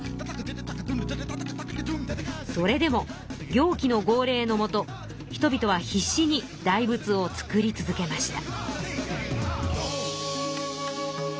それでも行基の号令のもと人々は必死に大仏を造り続けました。